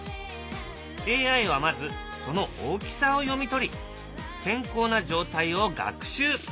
ＡＩはまずその大きさを読み取り健康な状態を学習。